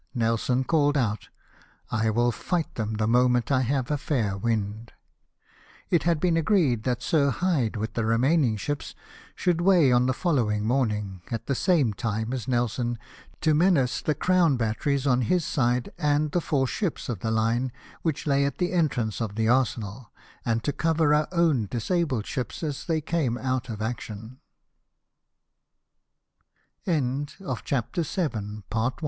Nelson called out, " I will fight them the moment I have a fair wind." It had been agreed that Sir Hyde, with the remaining ships, should weigh p 226 LIFE OF NELSON. on the following morning, at the same time as Nelson, to menace the Crown Batteries on his side, and the four ships of the line which lay at the entrance of the arsenal, and to cover our own disabled ship